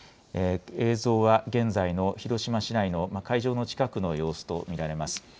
映像は現在の広島市内の、会場の近くの様子と見られます。